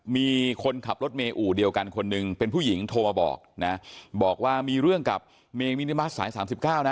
มีคนขับรถเมย์อู่เดียวกันคนหนึ่งเป็นผู้หญิงโทรมาบอกนะบอกว่ามีเรื่องกับเมมินิมัสสายสามสิบเก้านะ